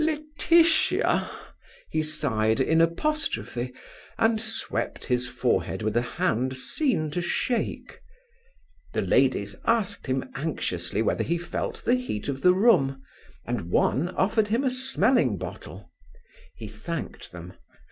"Laetitia!" he sighed, in apostrophe, and swept his forehead with a hand seen to shake. The ladies asked him anxiously whether he felt the heat of the room; and one offered him a smelling bottle. He thanked them.